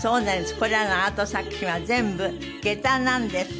これらのアート作品は全部下駄なんです。